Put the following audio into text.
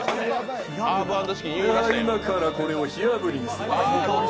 今からこれを火あぶりにする。